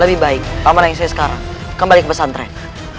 lebih baik aman yang saya sekarang kembali ke pesantren